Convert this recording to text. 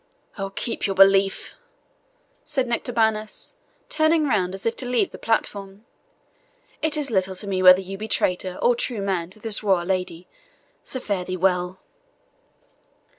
"Oh, keep your belief," said Nectabanus, turning round as if to leave the platform; "it is little to me whether you be traitor or true man to this royal lady so fare thee well."